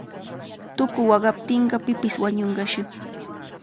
Tuku waqaptinqa pipish wañunqashi.